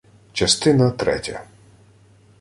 Частина третя